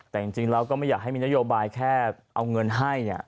แต่จริงแล้วก็ไม่อยากให้มีนโยบายแค่เอาเงินให้